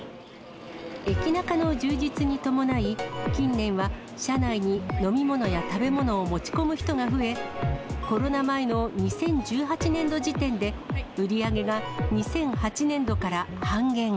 エキナカの充実に伴い、近年は車内に飲み物や食べ物を持ち込む人が増え、コロナ前の２０１８年度時点で、売り上げが２００８年度から半減。